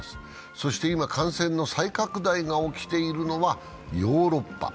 そして今、感染の再拡大が起きているのはヨーロッパ。